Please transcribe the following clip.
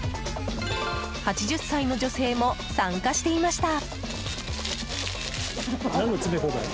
８０歳の女性も参加していました。